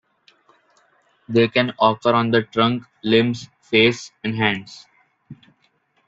They can occur on the trunk, limbs, face, and hands.